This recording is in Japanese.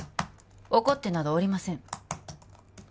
怒ってなどおりません